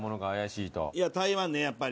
いや台湾ねやっぱり。